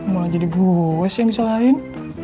malah jadi gue sih yang dicelain